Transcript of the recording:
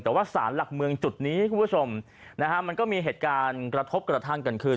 แต่ว่าสารหลักเมืองจุดนี้คุณผู้ชมนะฮะมันก็มีเหตุการณ์กระทบกระทั่งกันขึ้น